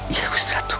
iya gusti ratu